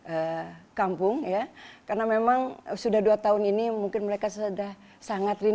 ya saya pikir gini untuk masyarakat di dki jakarta kita manfaatkan waktu yang baik ini untuk silaturahim dengan keluarga kita yang ada di sini